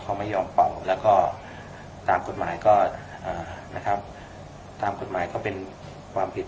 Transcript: เขาไม่ยอมเป่าแล้วก็ตามกฎหมายก็นะครับตามกฎหมายก็เป็นความผิด